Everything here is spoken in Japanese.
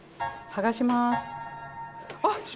剥がします。